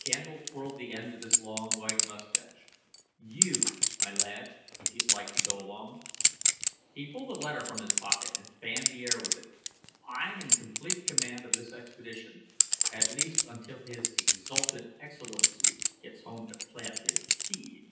Candle twirled the ends of his long white moustache. "You, my lad, if you'd like to go along." He pulled a letter from his pocket and fanned the air with it. "I'm in complete command of this expedition at least until His Exalted Excellency gets home to plant his seed."